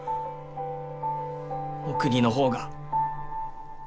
お国の方が。